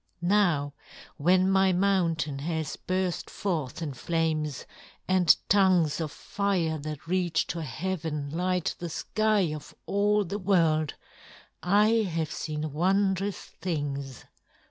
Now when my mountain has burst forth in flames, and tongues of fire that reach to heaven light the sky of all the world, I have seen wondrous things.